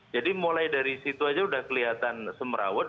jadi mulai dari situ aja udah kelihatan semerawet